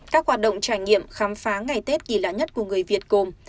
các hoạt động trải nghiệm khám phá ngày tết kỳ lạ nhất của người việt gồm